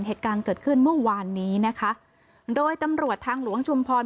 เหตุการณ์เกิดขึ้นเมื่อวานนี้นะคะโดยตำรวจทางหลวงชุมพร